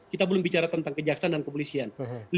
kita belum bicara tentang kejaksaan dan kepolisian